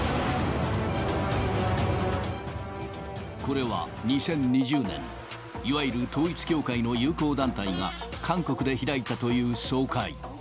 これは２０２０年、いわゆる統一教会の友好団体が、韓国で開いたという総会。